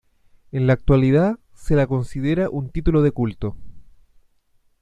En la actualidad se la considera un título de culto.